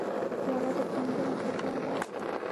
پیاله د پندونو ښیګڼه ده.